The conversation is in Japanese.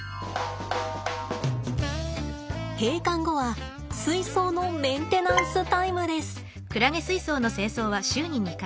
閉館後は水槽のメンテナンスタイムです。